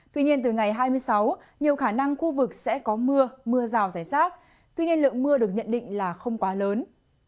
tuy nhiên từ ngày hai mươi sáu nhiều khả năng khu vực sẽ có mưa mưa rào rải rác tuy nhiên lượng mưa được nhận định là không quá lớn